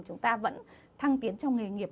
chúng ta vẫn thăng tiến trong nghề nghiệp